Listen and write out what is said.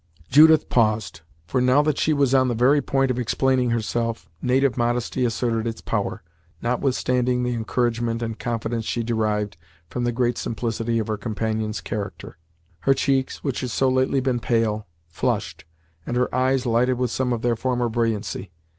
Judith paused, for now that she was on the very point of explaining herself, native modesty asserted its power, notwithstanding the encouragement and confidence she derived from the great simplicity of her companion's character. Her cheeks, which had so lately been pale, flushed, and her eyes lighted with some of their former brilliancy.